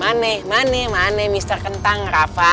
manik mane mane mister kentang rafa